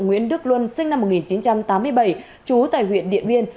nguyễn đức luân sinh năm một nghìn chín trăm tám mươi bảy trú tại huyện điện biên